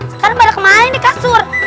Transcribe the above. sekarang pada kemaren nih kasur